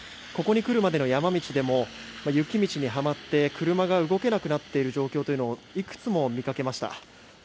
ここに来るまでの山道でも雪道にはまって車が動けなくなっている状況をいくつも見かけました。